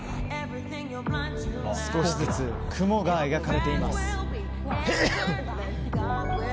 少しずつ雲が描かれています。